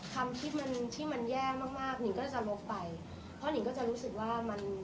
คำคิดมันที่มันแย่มากมากนิงก็จะลบไปเพราะหนิงก็จะรู้สึกว่ามัน